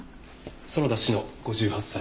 園田志乃５８歳。